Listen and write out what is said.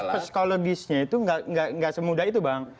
psikologisnya itu nggak semudah itu bang